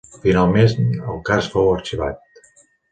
Finalment, el cas fou arxivat.